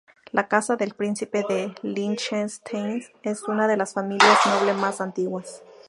La Casa del Príncipe de Liechtenstein es una de las familias nobles más antiguas.